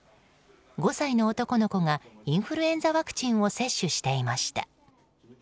５歳の男の子がインフルエンザワクチンを接種していました。